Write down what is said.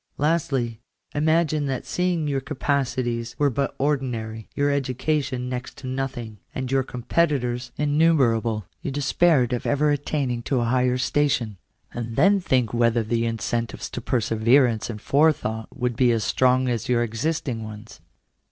Lastly, imagine that seeing your capacities were but ordinary, your education next to nothing, and your competitors innu merable, you despaired of ever attaining to a higher station ; and then think whether the incentives to perseverance and forethought would be as strong as your existing ones.